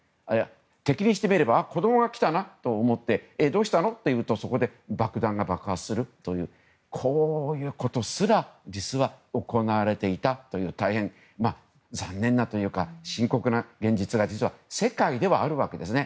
敵にしてみれば子供が来たなと思ってどうしたの？というとそこで爆弾が爆発するというこういうことすら実は行われていたという大変、残念というか深刻な現実が世界ではあるわけですね。